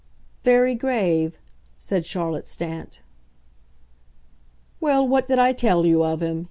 "Very grave," said Charlotte Stant. "Well, what did I tell you of him?"